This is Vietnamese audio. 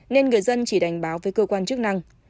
nên người dân chỉ đành báo với cơ quan chức năng